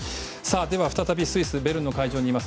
では、再びスイス・ベルンの会場にいます